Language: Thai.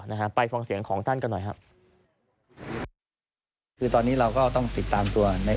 ไปซื้อเสียความเสี่ยงของท่านกันไหมฮะ